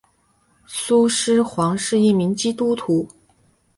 苏施黄是一名基督徒。